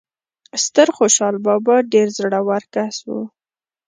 ستر خوشال بابا ډیر زړه ور کس وو